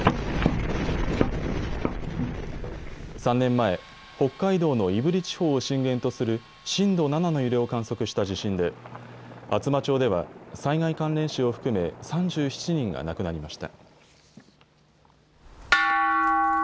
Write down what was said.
３年前、北海道の胆振地方を震源とする震度７の揺れを観測した地震で厚真町では災害関連死を含め３７人が亡くなりました。